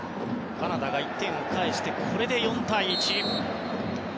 カナダが１点を返してこれで４対１。